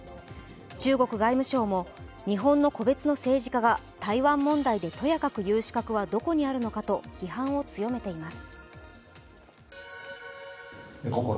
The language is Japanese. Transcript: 中国外務省も日本の個別の政治家が台湾問題でとやかく言う資格はどこにあるのかと批判を強めています。